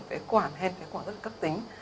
phải quản hên phải quản rất là cấp tính